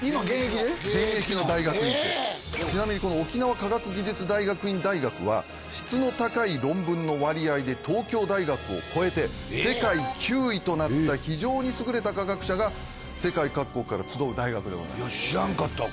現役の大学院生ちなみにこの沖縄科学技術大学院大学は質の高い論文の割合で東京大学をこえて世界９位となった非常に優れた科学者が世界各国から集う大学でございます